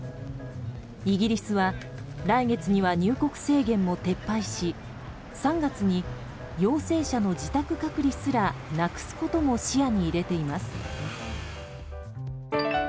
イギリスは来月には入国制限も撤廃し３月に陽性者の自宅隔離すらなくすことも視野に入れています。